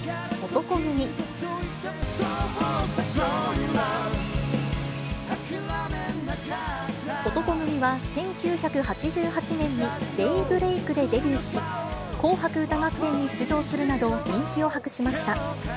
男闘呼組は１９８８年にＤＡＹＢＲＥＡＫでデビューし、紅白歌合戦に出場するなど、人気を博しました。